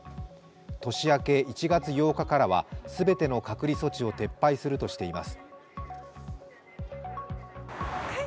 年明け１月８日からは全ての隔離措置を撤廃するとしています。